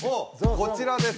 こちらです